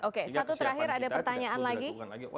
oke satu terakhir ada pertanyaan lagi